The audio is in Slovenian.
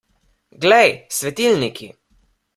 Glej, svetilniki!